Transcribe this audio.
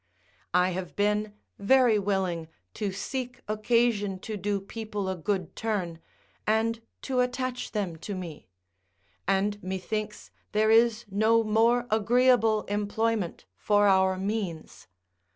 I have been very willing to seek occasion to do people a good turn, and to attach them to me; and methinks there is no more agreeable employment for our means.